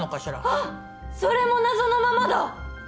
あっそれも謎のままだ！